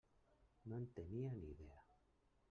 No en tenia ni idea.